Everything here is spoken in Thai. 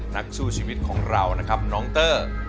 นะแต่ล่ะน้องเตอร์